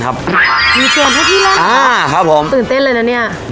อยู่เกมให้พี่เล่นครับ